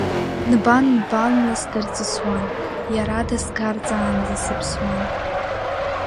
Нбан-нбанла сдырҵысуан, иарада сгарҵаанӡа сыԥсуан.